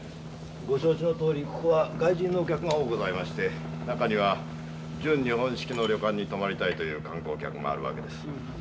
ご承知のとおりここは外人の客が多うございまして中には「純日本式の旅館に泊まりたい」と言う観光客もある訳です。